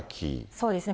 そうですね。